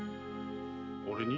俺に？